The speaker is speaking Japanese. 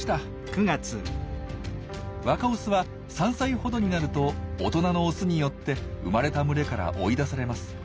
若オスは３歳ほどになると大人のオスによって生まれた群れから追い出されます。